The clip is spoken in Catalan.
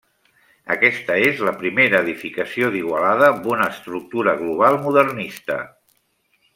Aquesta és la primera edificació d'Igualada amb una estructura global modernista.